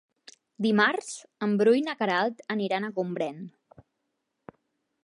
Dimarts en Bru i na Queralt aniran a Gombrèn.